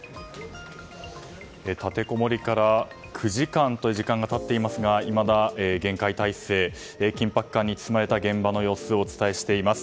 立てこもりから９時間という時間が経っていますがいまだ厳戒態勢緊迫感に包まれた現場の様子をお伝えしています。